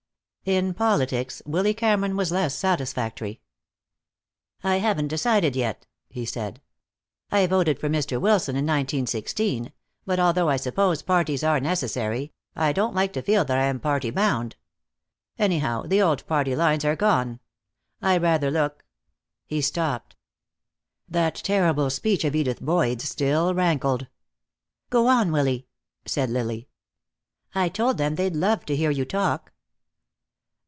In politics Willy Cameron was less satisfactory. "I haven't decided, yet," he said. "I voted for Mr. Wilson in 1916, but although I suppose parties are necessary, I don't like to feel that I am party bound. Anyhow, the old party lines are gone. I rather look " He stopped. That terrible speech of Edith Boyd's still rankled. "Go on, Willy," said Lily. "I told them they'd love to you talk."